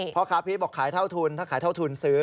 พ่อค้าพีชบอกขายเท่าทุนถ้าขายเท่าทุนซื้อ